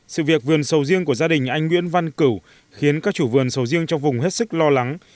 sự việc vườn sầu riêng của gia đình anh nguyễn văn cửu khiến các chủ vườn sầu riêng trong vùng hết sức lo lắng